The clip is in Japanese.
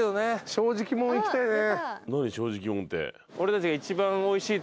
正直もん行きたいね。